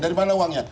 dari mana uangnya